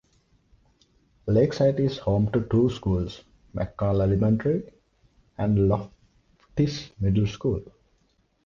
Lakesite is home to two schools: McConnell Elementary and Loftis Middle School.